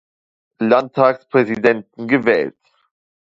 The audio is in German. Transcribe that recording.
Landtagspräsidenten gewählt.